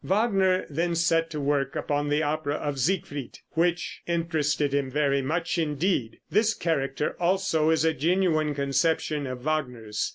Wagner then set to work on the opera of "Siegfried," which interested him very much indeed. This character also is a genuine conception of Wagner's.